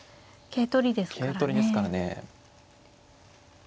桂取りですからね。